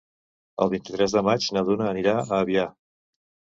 El vint-i-tres de maig na Duna anirà a Avià.